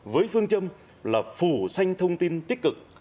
với phương châm là phủ xanh thông tin tích cực